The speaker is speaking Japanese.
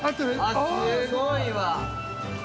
すごいわ！